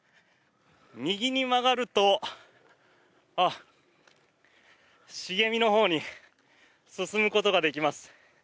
右に曲がると、茂みのほうに進むことができます。